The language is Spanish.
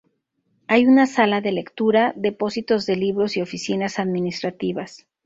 Hay una sala de lectura, depósitos de libros y oficinas administrativas.